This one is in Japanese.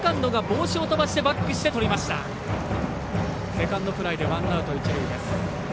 セカンドフライでワンアウト、一塁です。